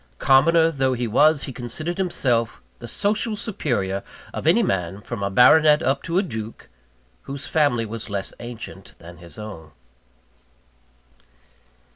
Commoner though he was, he considered himself the social superior of any man, from a baronet up to a duke, whose family was less ancient than his own.